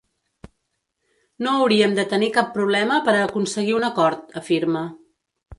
No hauríem de tenir cap problema per a aconseguir un acord, afirma.